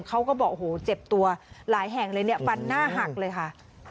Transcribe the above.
เขาก็บอกโอ้โหเจ็บตัวหลายแห่งเลยเนี่ยฟันหน้าหักเลยค่ะ